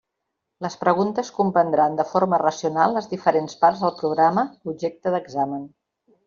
Les preguntes comprendran de forma racional les diferents parts del programa objecte d'examen.